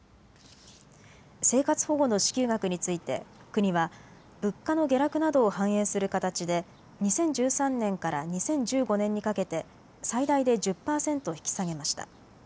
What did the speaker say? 生活保護の支給額について国は物価の下落などを反映する形で２０１３年から２０１５年にかけて最大で１０％引き下げました。